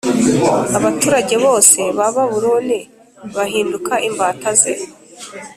Abaturage bose ba Babuloni bahinduka imbata ze